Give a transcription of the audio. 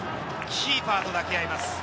キーパーと抱き合います。